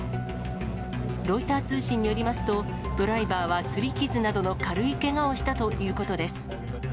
ロイター通信によりますと、ドライバーはすり傷などの軽いけがをしたということです。